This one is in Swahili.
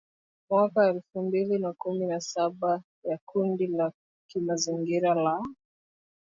mwaka elfu mbili na kumi na saba ya kundi la kimazingira la